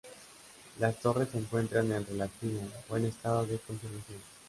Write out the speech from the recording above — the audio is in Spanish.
Las torres se encuentran en relativo buen estado de conservación.